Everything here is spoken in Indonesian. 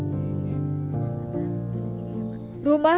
tapi dia masih ada di rumah